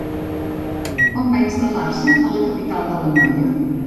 Quan va instal·lar-se a la capital de l'Anoia?